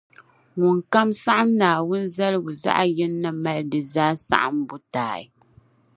ŋunkam saɣim Naawuni zaligu zaɣ’ yini ni mali di zaa saɣimbu taai.